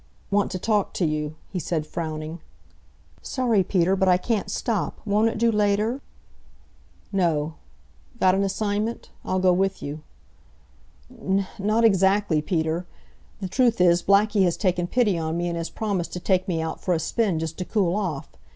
"Want to talk to you," he said, frowning. "Sorry, Peter, but I can't stop. Won't it do later?" "No. Got an assignment? I'll go with you." "N not exactly, Peter. The truth is, Blackie has taken pity on me and has promised to take me out for a spin, just to cool off.